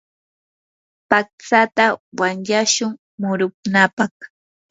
patsata wanyashun murunapaq.